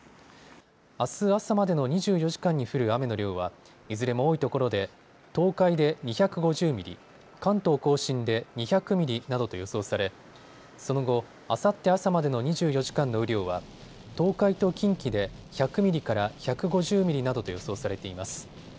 あす朝までの２４時間に降る雨の量はいずれも多いところで東海で２５０ミリ、関東甲信で２００ミリなどと予想されその後、あさって朝までの２４時間の雨量は東海と近畿で１００ミリから１５０ミリなどと予想されています。